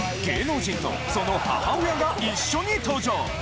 芸能人とその母親が一緒に登場。